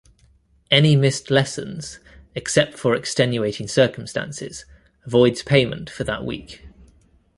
Any missed lessons except for extenuating circumstances voids payment for that week.